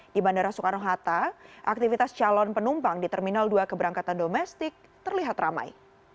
di bandara soekarno hatta aktivitas calon penumpang di terminal dua keberangkatan domestik terlihat ramai